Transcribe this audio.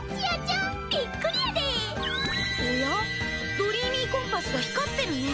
ドリーミーコンパスが光ってるねぇ。